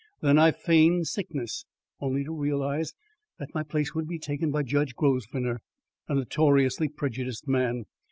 Then I feigned sickness, only to realise that my place would be taken by Judge Grosvenor, a notoriously prejudiced man.